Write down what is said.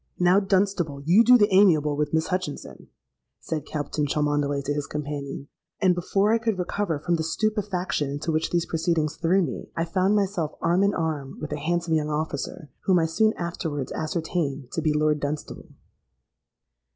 —'Now, Dunstable, you do the amiable with Miss Hutchinson,' said Captain Cholmondeley to his companion; and before I could recover from the stupefaction into which these proceedings threw me, I found myself arm in arm with a handsome young officer, whom I soon afterwards ascertained to be Lord Dunstable.